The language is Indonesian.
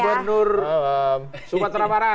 selamat malam gubernur sumatera barat